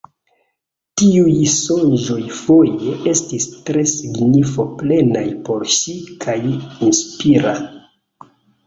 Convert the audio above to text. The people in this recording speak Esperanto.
Tiuj sonĝoj foje estis tre signifo-plenaj por ŝi kaj inspiraj.